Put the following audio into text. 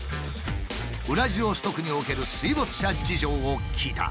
ウラジオストクにおける水没車事情を聞いた。